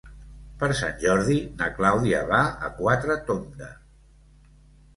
Per Sant Jordi na Clàudia va a Quatretonda.